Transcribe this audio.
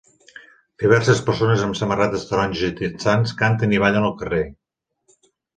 Diverses persones amb samarretes taronges i texans canten i ballen al carrer.